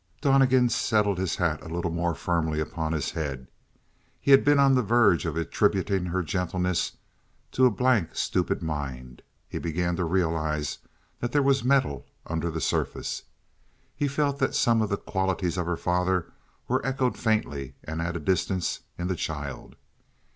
Donnegan settled his hat a little more firmly upon his head. He had been on the verge of attributing her gentleness to a blank, stupid mind; he began to realize that there was metal under the surface. He felt that some of the qualities of the father were echoed faintly, and at a distance, in the child.